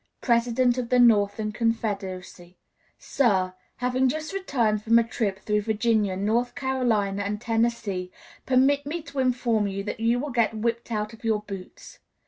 President of the Northern Confederacy. "SIR: Having just returned from a trip through Virginia, North Carolina, and Tennessee, permit me to inform you that you will get whipped out of your boots.